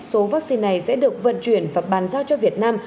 số vaccine này sẽ được vận chuyển và bàn giao cho việt nam